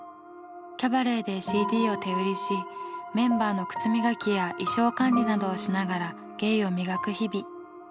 キャバレーでＣＤを手売りしメンバーの靴磨きや衣装管理などをしながら芸を磨く日々。